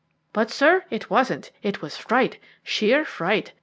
But, sir, it wasn't; it was fright, sheer fright.